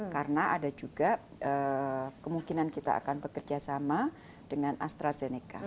karena ada juga kemungkinan kita akan bekerja sama dengan astrazeneca